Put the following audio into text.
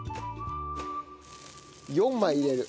４枚入れる。